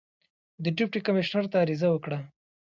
د ډیپټي کمیشنر ته عریضه وکړه.